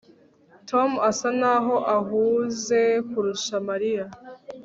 Tom asa naho ahuze kurusha Mariya